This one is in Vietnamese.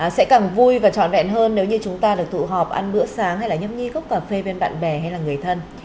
sẽ càng vui và trọn vẹn hơn nếu như chúng ta được tụ họp ăn bữa sáng hay là nhấm nhi gốc cà phê bên bạn bè hay là người thân